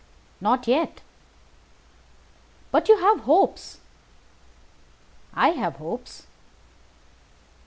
"Not yet." "But you have hopes?" "I have hopes."